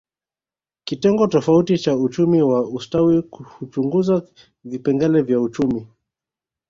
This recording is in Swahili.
Kitengo tofauti cha uchumi wa ustawi huchunguza vipengele vya uchumi